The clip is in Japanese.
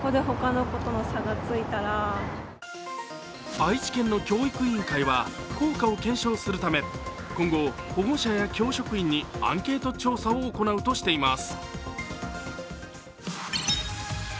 愛知県の教育委員会は効果を検証するため今後、保護者や教職員にアンケート調査を行うとしています。